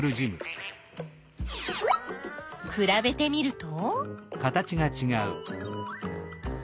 くらべてみると？